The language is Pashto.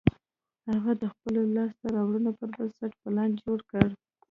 هغه د خپلو لاسته رواړنو پر بنسټ پلان جوړ کړ